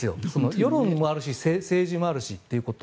世論もあるし政治もあるしということ。